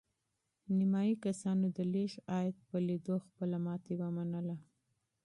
نیمایي کسانو د لږ عاید په لیدو خپله ماتې ومنله.